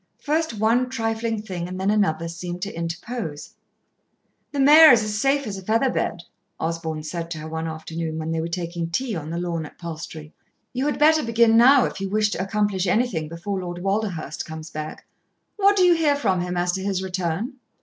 First one trifling thing and then another seemed to interpose. "The mare is as safe as a feather bed," Osborn said to her one afternoon when they were taking tea on the lawn at Palstrey. "You had better begin now if you wish to accomplish anything before Lord Walderhurst comes back. What do you hear from him as to his return?"